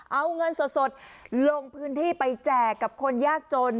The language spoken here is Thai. เอาเงินสดลงพื้นที่ไปแจกกับคนยากจน